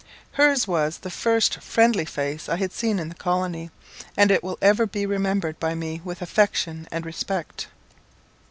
Hers was the first friendly face I had seen in the colony, and it will ever be remembered by me with affection and respect.